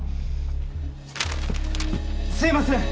すいません！